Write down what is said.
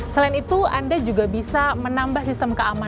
selain itu anda juga bisa menambah sistem keamanan